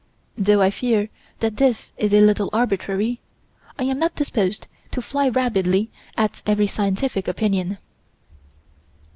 Though I fear that this is a little arbitrary, I am not disposed to fly rabidly at every scientific opinion.